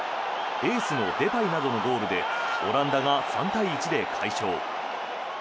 エースのデパイなどのゴールでオランダが３対１で快勝。